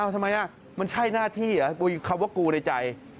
ทำไมมันใช่หน้าที่เหรอคำว่ากูในใจ